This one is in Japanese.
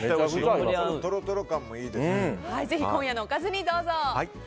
ぜひ今夜のおかずにどうぞ。